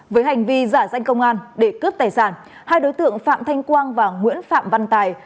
với hành vi giả danh công an để cướp tài sản hai đối tượng phạm thanh quang và nguyễn phạm văn tài